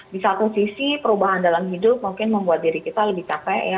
di satu sisi perubahan dalam hidup mungkin membuat diri kita lebih capek ya